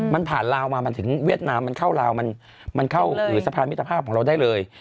มันผ่านลาวมามันถึงเวียดนามมันเข้าลาวมันเข้าสะพานมิตรภาพของเราได้เลย